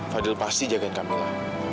fadil pasti jagain kamila